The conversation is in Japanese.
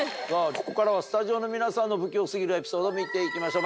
ここからはスタジオの皆さんの不器用過ぎるエピソード見ていきましょう